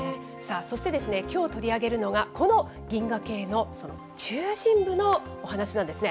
そして、きょう取り上げるのが、この銀河系のその中心部のお話なんですね。